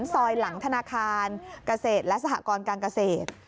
ซอยหลังธนาคารเกษตรและสหกรการเกษตร